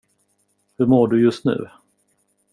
Hur mår du just nu?